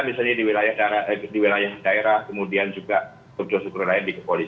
misalnya di wilayah daerah kemudian juga terjun terjun lain di kapolris